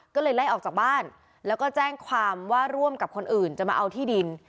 ก็เลยไล่ออกจากบ้านแล้วก็แจ้งความว่าร่วมกับคนอื่นจะมาเอาที่ดิน